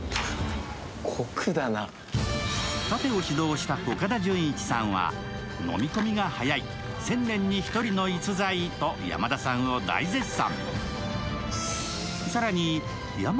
たてを指導した岡田准一さんは、飲み込みが速い、１０００年に１人に逸材と山田さんを大絶賛。